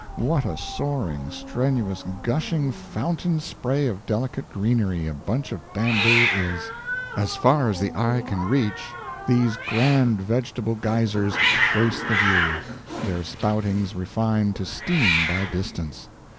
What a soaring, strenuous, gushing fountain spray of delicate greenery a bunch of bamboo is! As far as the eye can reach, these grand vegetable geysers grace the view, their spoutings refined to steam by distance.